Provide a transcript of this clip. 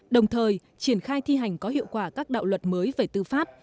đồng thời triển khai thi hành có hiệu quả các đạo luật mới về tư pháp